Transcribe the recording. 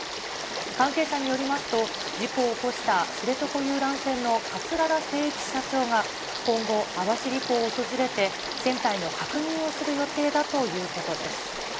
関係者によりますと、事故を起こした知床遊覧船の桂田精一社長が今後、網走港を訪れて、船体の確認をする予定だということです。